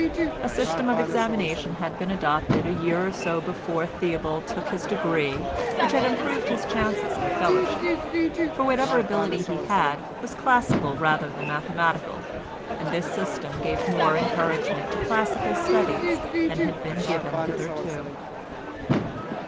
A system of examination had been adopted a year or so before Theobald took his degree which had improved his chances of a fellowship, for whatever ability he had was classical rather than mathematical, and this system gave more encouragement to classical studies than had been given hitherto.